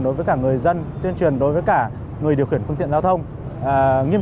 đối với cả người dân tuyên truyền đối với cả người điều khiển phương tiện giao thông nghiêm